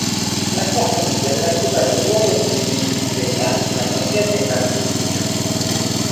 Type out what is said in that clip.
La sua famiglia aveva ricoperto il ruolo di ministeriali nella contea della Turingia.